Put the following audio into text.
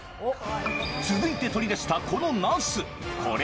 続いて取り出したこのナス。